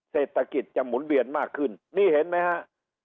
เศรษฐกิจจะหมุนเวียนมากขึ้นนี่เห็นไหมฮะ